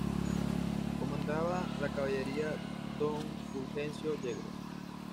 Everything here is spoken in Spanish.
Comandaba la caballería don Fulgencio Yegros.